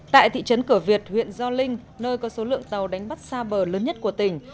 tại thị trấn cửa việt huyện gio linh nơi có số lượng tàu đánh bắt xa bờ lớn nhất của tỉnh